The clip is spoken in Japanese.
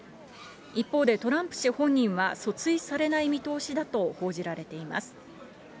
一方でトランプ氏本人は、訴追されない見通しだと報じられています。